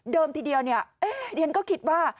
เดิมทีเดียวเนี่ยดิฉันก็คิดว่า